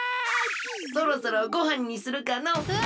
そろそろごはんにするかのう。うわ！